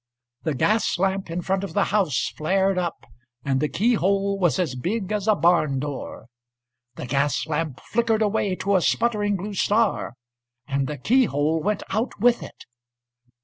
The gas lamp in front of the house flared up, And the keyhole was as big as a barn door; The gas lamp flickered away to a sputtering blue star, And the keyhole went out with it.